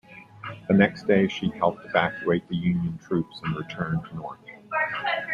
The next day, she helped evacuate the Union troops and returned north.